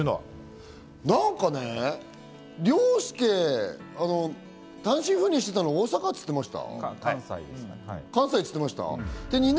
なんかね、凌介、単身赴任してたのを大阪って言ってました？